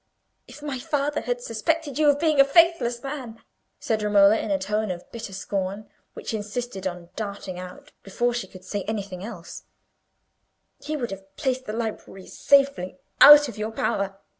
"If my father had suspected you of being a faithless man," said Romola, in a tone of bitter scorn, which insisted on darting out before she could say anything else, "he would have placed the library safely out of your power.